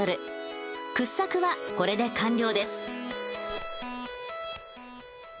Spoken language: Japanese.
掘削はこれで完了です。